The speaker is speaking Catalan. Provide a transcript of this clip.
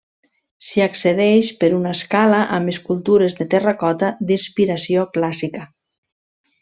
S'hi accedeix per una escala amb escultures de terracota d'inspiració clàssica.